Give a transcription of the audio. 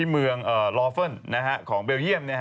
เมืองโลเฟิ่ลรองเซิร์น